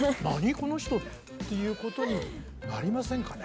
この人っていうことになりませんかね？